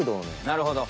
なるほど。